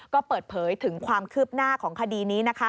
ก็เปิดเผยถึงความคืบหน้าของคดีนี้นะคะ